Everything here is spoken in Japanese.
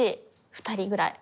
２人ぐらい！